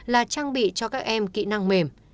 là trang bị cho các em kỹ năng mềm